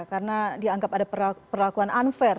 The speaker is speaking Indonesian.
karena dianggap ada perlakuan unfair